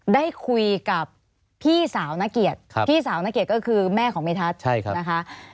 ได้คุยกับพี่สาวนักเกียรติพี่สาวนักเกียรติก็คือแม่ของเมทัศน์นะคะ